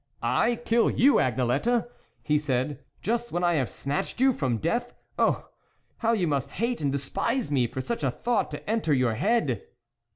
" I, kill you, Agnelette !" he said, "just when I have snatched you from death ! Oh ! how you must hate and despise me for such a thought to enter your head."